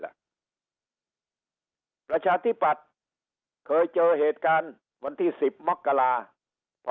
แหละประชาธิบัติเคยเจอเหตุการณ์วันที่สิบมกลาพอ